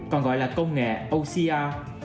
còn gọi là công nghệ ocr